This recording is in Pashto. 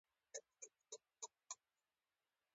دا زموږ د نجات یوازینۍ لاره ده.